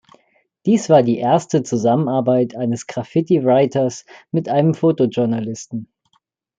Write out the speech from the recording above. Dies war die erste Zusammenarbeit eines Graffiti-Writers mit einem Fotojournalisten.